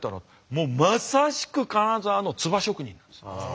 もうまさしく金沢の鍔職人なんです。ああ！